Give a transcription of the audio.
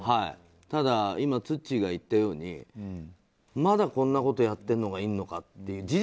ただ、今ツッチーが言ったようにまだこんなことやってるのがいるのかっていう。